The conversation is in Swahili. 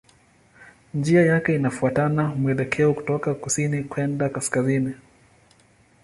Njia yake inafuata mwelekeo kutoka kusini kwenda kaskazini.